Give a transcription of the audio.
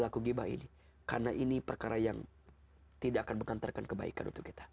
karena ini perkara yang tidak akan mengantarkan kebaikan untuk kita